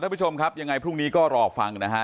ผู้ชมครับยังไงพรุ่งนี้ก็รอฟังนะฮะ